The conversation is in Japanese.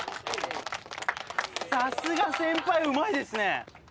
さすが先輩うまいですね！